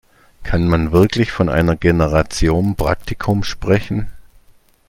Kann man wirklich von einer Generation Praktikum sprechen?